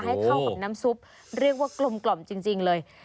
ให้เข้าของน้ำซุปเรียกว่ากลมจริงเลย